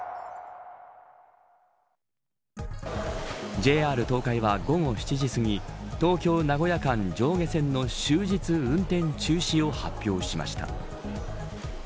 ＪＲ東海は午後７時すぎ東京、名古屋間、上下線の終日運転中止を発表しました。